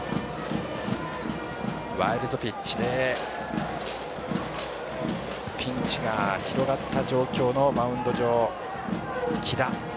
ワイルドピッチでピンチが広がった状況のマウンド上、木田。